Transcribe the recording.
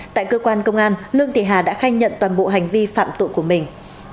tại cơ quan công an lương thị hà đã khai nhận toàn bộ hành vi phạm tội của mình